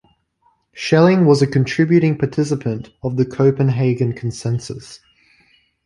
Schelling was a contributing participant of the Copenhagen Consensus.